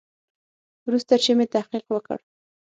وروسته چې مې تحقیق وکړ.